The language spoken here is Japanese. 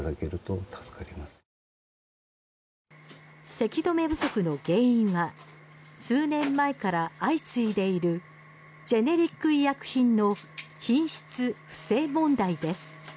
せき止め不足の原因は数年前から相次いでいるジェネリック医薬品の品質不正問題です。